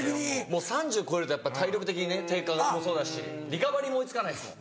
もう３０超えるとやっぱ体力的にね低下もそうだしリカバリーも追い付かないですもん。